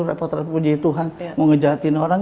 repot repot puji tuhan mau ngejahatin orang